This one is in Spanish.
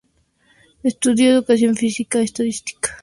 Estudió educación física a distancia.